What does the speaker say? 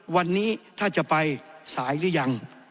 วันนี้ถ้าจะไปสายหรือยัง